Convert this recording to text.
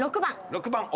６番。